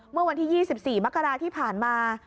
เมื่อวันที่๒๔มกราที่ผ่านมา